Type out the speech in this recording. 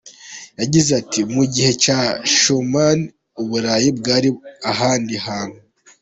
Yagize ati “Mu gihe cya Schuman, u Burayi bwari ahandi hantu.